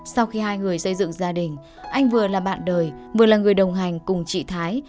sau khi hai người xây dựng gia đình anh vừa là bạn đời vừa là người đồng hành cùng chị thái